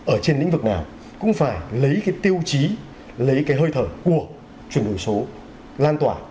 ở trên lĩnh vực nào cũng phải lấy cái tiêu chí lấy cái hơi thở của chuyển đổi số lan tỏa